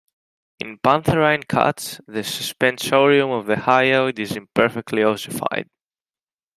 In pantherine cats, the suspensorium of the hyoid is imperfectly ossified.